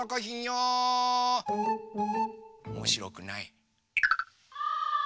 おもしろくない？